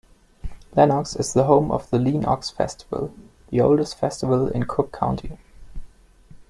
Lenox is the home of the Lean-Ox Festival, the oldest festival in Cook County.